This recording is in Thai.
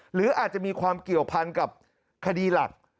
หรืออาจจะมีความเกี่ยวพันกับคดีหลัก